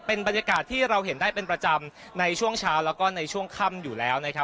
เป็นบรรยากาศที่เราเห็นได้เป็นประจำในช่วงเช้าแล้วก็ในช่วงค่ำอยู่แล้วนะครับ